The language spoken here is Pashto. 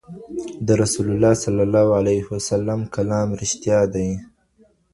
د رسول الله مبارک کلام رښتیا دی.